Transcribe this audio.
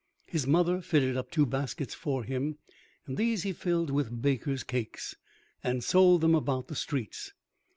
His mother fitted up two baskets for him, and these he filled with baker's cakes, and sold them about the streets.